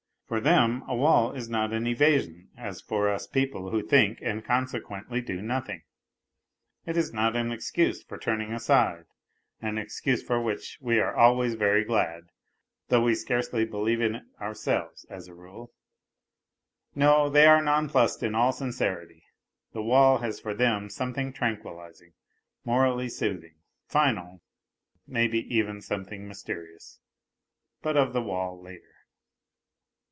For them a wall is not an evasion, as for us people who think and consequently do nothing ; it is not an excuse for turning aside, an excuse for which we are always very glad, though we scarcely believe in it ourselves, as a rule, they are nonplussed in all sincerity. The wall has for them something tranquillizing, morally soothing, final maybe even something mysterious ... but of the wall later.)